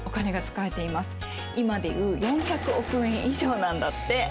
今で言う４００億円以上なんだって。